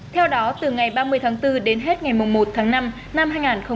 theo đó từ ngày ba mươi tháng bốn đến hết ngày mùa một tháng năm năm hai nghìn một mươi chín